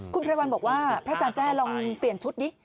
คุณไพรวัลบอกว่าพระอาจารย์แจ้ลองเปลี่ยนชุดดิ